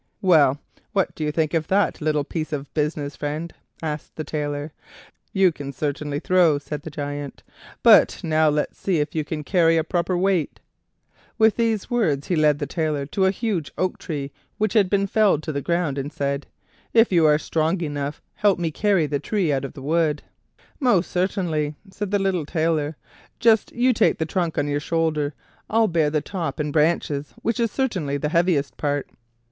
"Well, what do you think of that little piece of business, friend?" asked the Tailor. "You can certainly throw," said the Giant; "but now let's see if you can carry a proper weight." With these words he led the Tailor to a huge oak tree which had been felled to the ground, and said: "If you are strong enough, help me carry the tree out of the wood." "Most certainly," said the little Tailor: "just you take the trunk on your shoulder; I'll bear the top and branches, which is certainly the heaviest part."